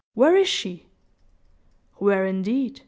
Where is she?" "Where, indeed?"